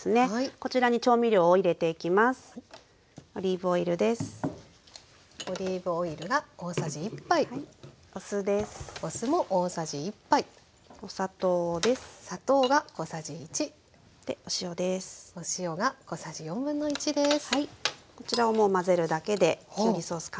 こちらをもう混ぜるだけできゅうりソース完成です。